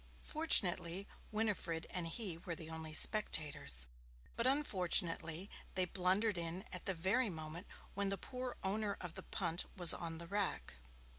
Fortunately, Winifred and he were the only spectators; but unfortunately they blundered in at the very moment when the poor owner of the punt was on the rack.